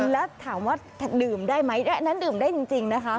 แล้วถามว่าดื่มได้ไหมอันนั้นดื่มได้จริงนะคะ